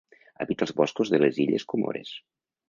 Habita els boscos de les illes Comores.